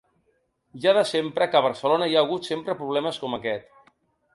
Ja de sempre que a Barcelona hi ha hagut sempre problemes com aquest.